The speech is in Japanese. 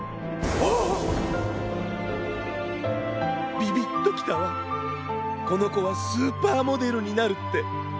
ビビッときたわこのこはスーパーモデルになるって。